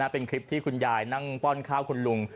เป็นคลิปที่คุณยายนั่งป้อนข้าวคุณลุง